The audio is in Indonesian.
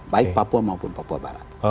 baik papua maupun papua barat